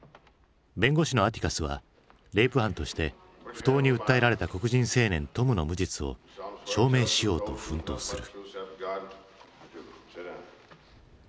弁護士のアティカスはレイプ犯として不当に訴えられた黒人青年トムの無実を証明しようと奮闘する。